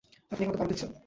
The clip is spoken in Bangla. আপনি কি আমাকে পাম দিচ্ছেন?